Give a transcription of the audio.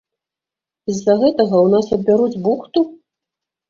І з-за гэтага ў нас адбяруць бухту?